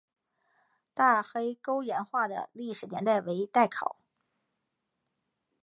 大黑沟岩画的历史年代为待考。